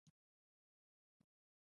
دښمن له سولې کرکه لري